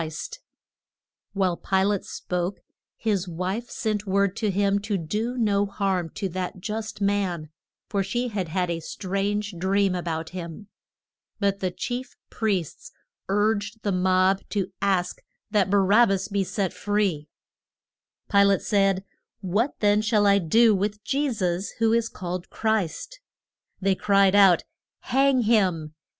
[Illustration: PI LATE WASH ING HIS HANDS.] While Pi late spoke, his wife sent word to him to do no harm to that just man, for she had had a strange dream a bout him. But the chief priests urged the mob to ask that Ba rab bas be set free. Pi late said, What then shall I do with Je sus, who is called Christ? They cried out, Hang him!